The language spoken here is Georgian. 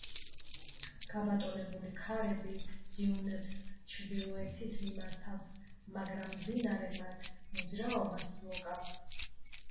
გაბატონებული ქარები დიუნებს ჩრდილოეთით მიმართავს, მაგრამ მდინარე მათ მოძრაობას ბლოკავს.